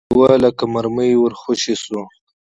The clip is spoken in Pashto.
لېوه لکه مرمۍ ور خوشې شو.